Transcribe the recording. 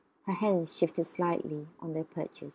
Her hens shifted slightly on their perches.